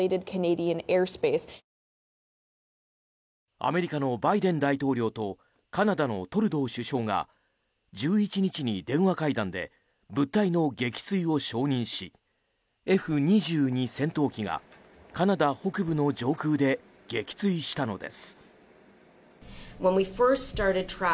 アメリカのバイデン大統領とカナダのトルドー首相が１１日に電話会談で物体の撃墜を承認しＦ２２戦闘機がカナダ北部の上空で撃墜したのです。